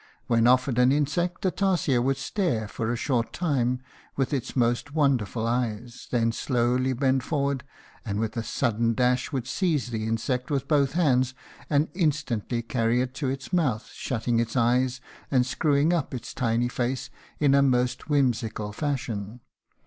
When offered an insect the tarsier would stare for a short time with its most wonderful eyes, then slowly bend forward, and, with a sudden dash, would seize the insect with both hands and instantly carry it to its mouth, shutting its eyes and screwing up its tiny face in a most whimsical fashion.